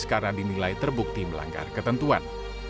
karena dinilai terbukti melanggar ketentuan